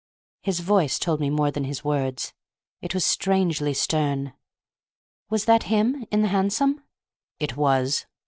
His voice told me more than his words. It was strangely stern. "Was that him—in the hansom?" "It was."